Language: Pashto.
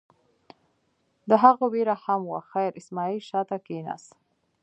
د هغه وېره هم وه، خیر اسماعیل شا ته کېناست.